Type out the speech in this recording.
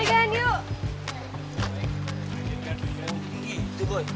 raya megan yuk